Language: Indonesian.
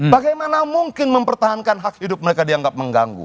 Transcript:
bagaimana mungkin mempertahankan hak hidup mereka dianggap mengganggu